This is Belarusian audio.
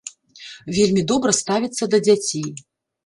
Вельмі добра ставіцца да дзяцей.